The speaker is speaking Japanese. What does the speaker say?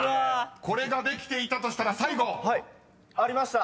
［これができていたとしたら最後］ありました。